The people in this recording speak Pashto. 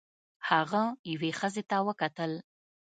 هغه یوې ښځې ته وکتل.